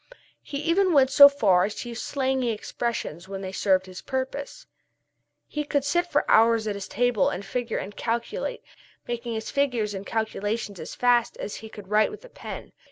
He even went so far as to use slangy expressions when they served his purpose. He could sit for hours at his table and figure and calculate, making his figures and calculations as fast as he could write with a pen.